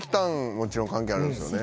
もちろん関係あるんですよね。